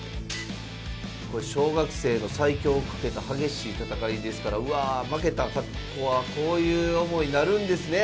これ小学生の最強をかけた激しい戦いですからうわ負けた子はこういう思いなるんですね